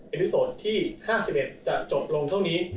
อิทธิโสดที่๕๑จะจบลงเท่านี้